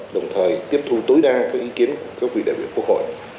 đồng thời tiếp thu tối đa các ý kiến của các vị đại biểu quốc hội